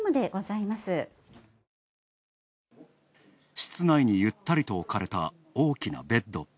室内にゆったりと置かれた大きなベッド。